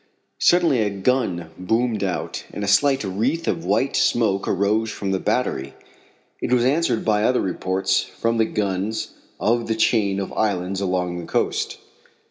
Suddenly a gun boomed out and a slight wreath of white smoke arose from the battery. It was answered by other reports from the guns on the chain of islands along the coast.